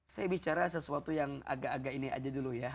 saya bicara sesuatu yang agak agak ini aja dulu ya